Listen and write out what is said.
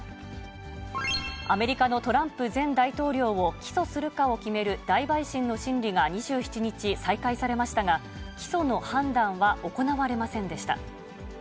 アメリカのトランプ前大統領を起訴するかを決める大陪審の審理が２７日、再開されましたが、起訴の判断は行われませんでした。